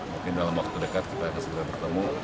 mungkin dalam waktu dekat kita akan melakukan aksi mogok kerja